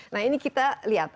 nah ini kita lihat